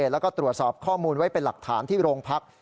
แล้วก็ตรวจสอบข้อมูลไว้เป็นหลักฐานที่โรงพัก